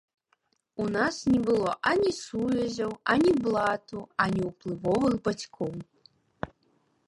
У нас не было ані сувязяў, ані блату, ані ўплывовых бацькоў.